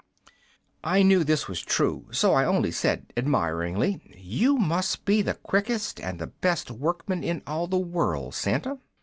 "I knew this was true, so I only said, admiringly, "'You must be the quickest and the best workman in all the world, Santa.'